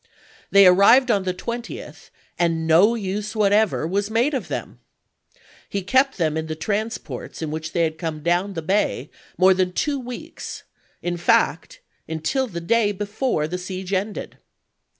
They arrived on the 20th, and no use whatever was made of them ! He kept them in the transports in which they had come down the bay more than two weeks — in fact, until the day before the siege ended.